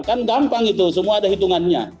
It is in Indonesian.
kan gampang itu semua ada hitungannya